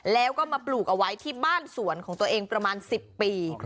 แล้วก็มาปลูกเอาไว้ที่บ้านสวนของตัวเองประมาณ๑๐ปี